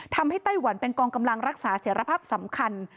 ไต้หวันเป็นกองกำลังรักษาเสียรภาพสำคัญ